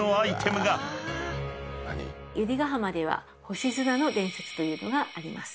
百合ヶ浜では星砂の伝説というのがあります。